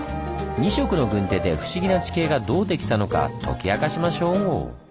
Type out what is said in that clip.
２色の軍手で不思議な地形がどうできたのか解き明かしましょう！